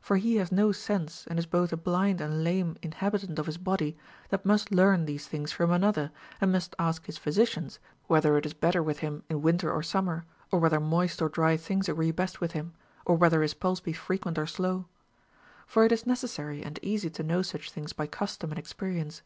For he has no sense, and is both a blind and lame inhabitant of his body, that must learn these things from another, and must ask his physi cians whether it is better with him in winter or summer ; 278 RULES FOR THE PRESERVATION OF HEALTH. or whether moist or dry things agree best with him, or whether his pulse be frequent or slow. For it is neces sary and easy to know such things by custom and expe rience.